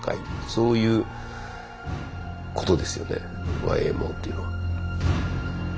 そういうことですよねＹＭＯっていうのは。